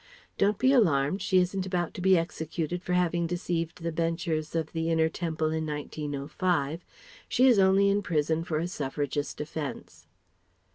(Don't be alarmed! She isn't about to be executed for having deceived the Benchers of the Inner Temple in 1905; she is only in prison for a suffragist offence).